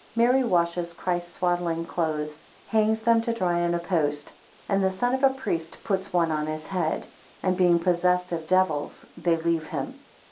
15 Mary washes Christ's swaddling clothes, hangs them to dry on a post, and the son of a priest puts one on his head; 16 And being possessed of devils they leave him.